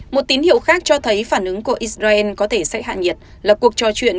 một tín hiệu khác cho thấy phản ứng của israel có thể sẽ hạ nhiệt là cuộc trò chuyện